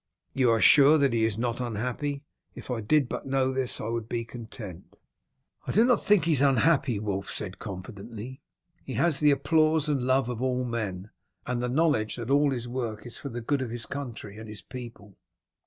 You are sure that he is not unhappy? If I did but know this, I would be content." "I do not think he is unhappy," Wulf said confidently. "He has the applause and love of all men, and the knowledge that all his work is for the good of his country and his people.